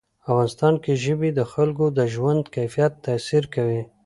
افغانستان کې ژبې د خلکو د ژوند کیفیت تاثیر کوي.